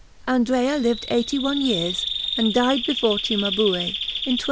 Andrea lived eighty one years, and died before Cimabue, in 1294.